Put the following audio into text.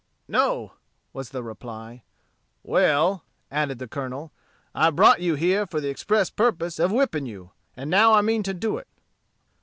"No," was the reply. "Well," added the Colonel, "I brought you here for the express purpose of whipping you; and now I mean to do it."